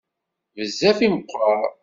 Bezzaf i meqqer.